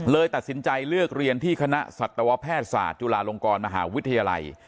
เลยตัดสินใจเลือกเรียนที่คณะสัตวแพทย์ศาสตร์จุฬาลงกรมหาวิทยาลัย